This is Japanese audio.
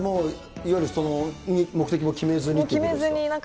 いわゆる何も目的を決めずにってことですか？